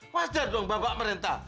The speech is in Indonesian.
wajar dong bapak merental